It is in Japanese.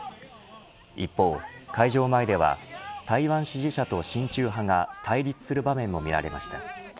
一方、会場前では台湾支持者と親中派が対立する場面も見られました。